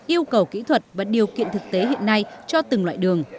yêu cầu kỹ thuật và điều kiện thực tế hiện nay cho từng loại đường